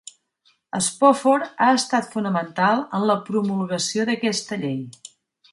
Spofford ha estat fonamental en la promulgació d'aquesta llei.